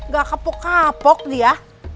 gak kapok kapok dia